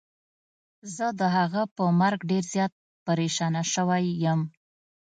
زه د هغه په مرګ ډير زيات پريشانه سوی يم.